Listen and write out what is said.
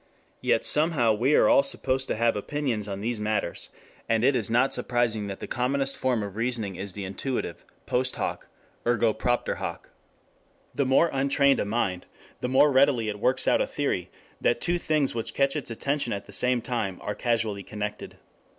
Yet somehow we are all supposed to have opinions on these matters, and it is not surprising that the commonest form of reasoning is the intuitive, post hoc ergo propter hoc. The more untrained a mind, the more readily it works out a theory that two things which catch its attention at the same time are causally connected.